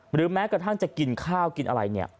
หรือแม้กระทั่งจะกินข้าวกินอะไรเนี่ย